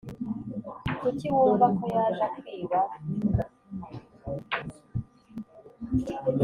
Kuki wumva ko yaje akwiba